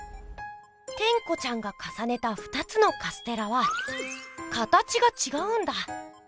テンコちゃんがかさねた２つのカステラは形がちがうんだ。